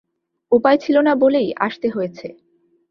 উপায় ছিল না বলেই আসতে হয়েছে।